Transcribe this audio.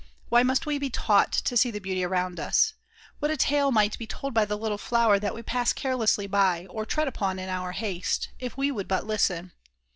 Why must we be taught to see the beauties around us? What a tale might be told by the little flower that we pass carelessly by, or tread upon in our haste; if we would but listen!